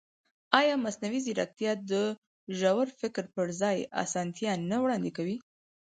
ایا مصنوعي ځیرکتیا د ژور فکر پر ځای اسانتیا نه وړاندې کوي؟